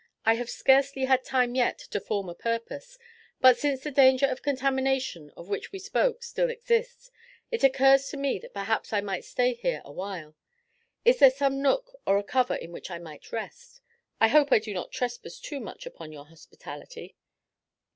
"I have scarcely had time yet to form a purpose, but, since the danger of contamination of which we spoke still exists, it occurs to me that perhaps I might stay here a while. Is there some nook or a cover in which I might rest? I hope I do not trespass too much upon your hospitality."